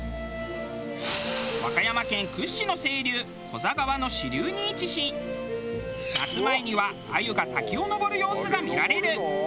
和歌山県屈指の清流古座川の支流に位置し夏前には鮎が滝を登る様子が見られる。